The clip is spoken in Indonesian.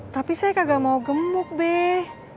tapi saya kagak mau gemuk deh